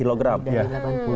lebih dari delapan puluh